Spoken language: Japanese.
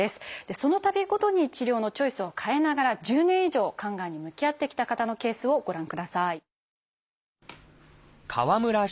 そのたびごとに治療のチョイスを変えながら１０年以上肝がんに向き合ってきた方のケースをご覧ください。